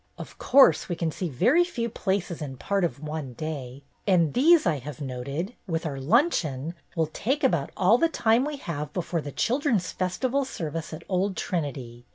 Of course we can see very few places in part of one day, and these I have noted, with our luncheon, will take about all the time we have before the Children's Festival Service at Old Trinity.